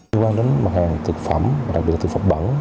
ủy ban đến hàng thực phẩm đặc biệt là thực phẩm bẩn